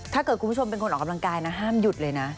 ถ้าเกิดคุณผู้ชมเป็นคนออกกำลังกายนะห้ามหยุดเลยนะ